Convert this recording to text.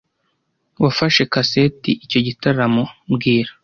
Wafashe kaseti icyo gitaramo mbwira